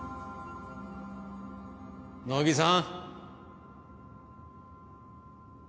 乃木さん？